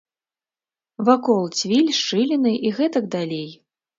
Вакол цвіль, шчыліны і гэтак далей.